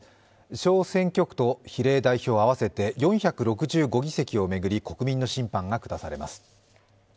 小選挙区と比例代表、合わせて４６５議席を巡り国民の審判が下されます。